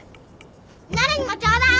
なるにもちょうだい。